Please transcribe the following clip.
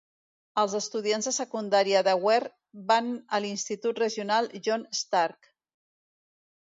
Els estudiants de secundària de Weare van a l'Institut Regional John Stark.